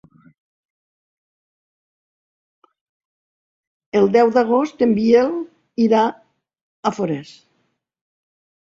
El deu d'agost en Biel irà a Forès.